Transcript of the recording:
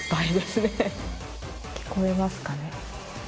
聞こえますかね？